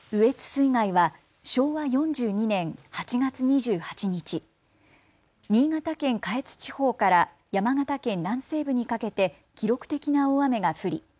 水害は昭和４２年８月２８日、新潟県下越地方から山形県南西部にかけて記録的な大雨が降り